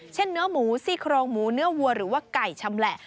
เนื้อหมูซี่โครงหมูเนื้อวัวหรือว่าไก่ชำแหละ